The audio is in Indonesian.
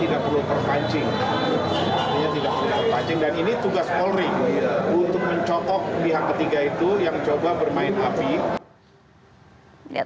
pihak ketiga itu yang coba bermain api